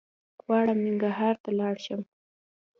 غواړم ننګرهار ته لاړ شم